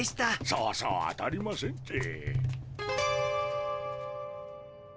そうそう当たりませんて。